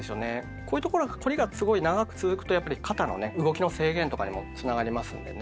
こういうところが凝りがすごい長く続くとやっぱり肩のね動きの制限とかにもつながりますんでね。